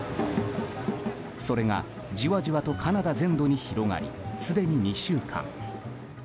それがじわじわとカナダ全土に広がりすでに、２週間。